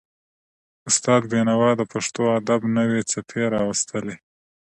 استاد بینوا د پښتو ادب نوې څپې راوستلې.